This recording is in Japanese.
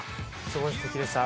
すごいすてきでした。